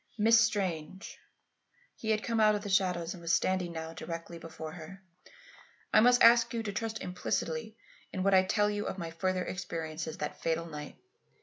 "Miss Strange" (he had come out of the shadows and was standing now directly before her), "I must ask you to trust implicitly in what I tell you of my further experiences that fatal night.